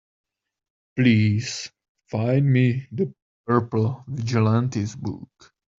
Please find me The Purple Vigilantes book.